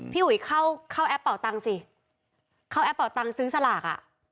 พี่หุยเข้าแอปเป่าตังสิเข้าแอปเป่าตังซื้อสลากอ่ะ